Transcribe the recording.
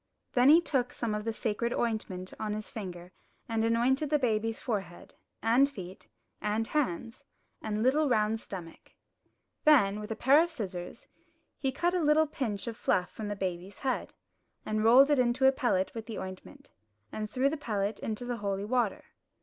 Then he took some of the sacred ointment on his finger and anointed the baby's forehead, and feet, and hands, and little round stomach. Then, with a pair of scissors, he cut a little pinch of fluff from the baby's head, and rolled it into a pellet with the ointment, and threw the pellet into the holy water.